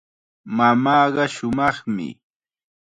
Mamaaqa shumaqmi.